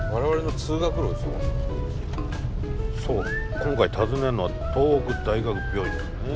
今回訪ねるのは東北大学病院。